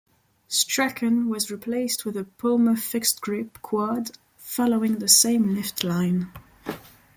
Strachan was replaced with a Poma fixed-grip quad following the same lift line.